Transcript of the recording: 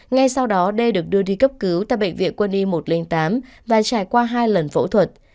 ngay sau đó d được đưa đi cấp cứu tại bệnh viện quân y một trăm linh tám và trải qua hai lần phẫu thuật